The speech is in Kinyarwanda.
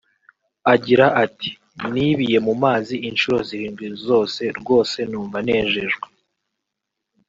Agira ati “Nibiye mu mazi inshuro zirindwi zose rwose numva nejejwe